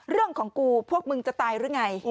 เรื่องของกูพวกมึงจะตายหรือไง